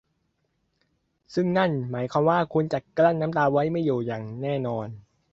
ซึ่งนั่นหมายความว่าคุณจะกลั้นน้ำตาไว้ไม่อยู่อย่างแน่นอน